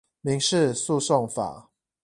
民事訴訟法